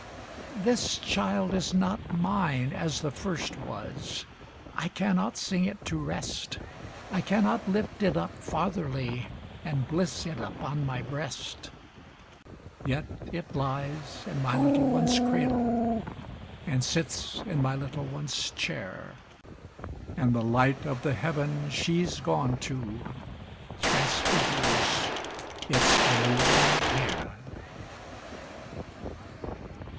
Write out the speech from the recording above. This child is not mine as the first was, I cannot sing it to rest, I cannot lift it up fatherly And bliss it upon my breast; Yet it lies in my little one's cradle And sits in my little one's chair, And the light of the heaven she's gone to Transfigures its golden hair.